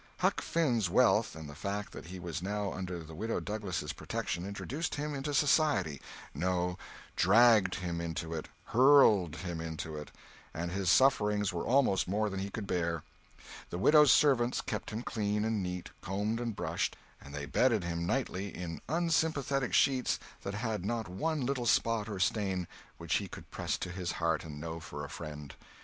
Huck Finn's wealth and the fact that he was now under the Widow Douglas' protection introduced him into society—no, dragged him into it, hurled him into it—and his sufferings were almost more than he could bear. The widow's servants kept him clean and neat, combed and brushed, and they bedded him nightly in unsympathetic sheets that had not one little spot or stain which he could press to his heart and know for a friend.